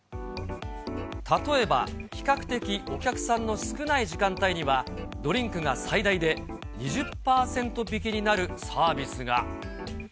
例えば、比較的お客さんの少ない時間帯には、ドリンクが最大で２０％引きになるサービスが。